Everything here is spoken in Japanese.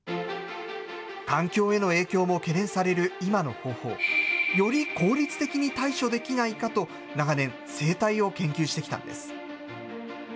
環境への影響も懸念される今の方法。より効率的に対処できないかと、長年、生態を研究してきたんです。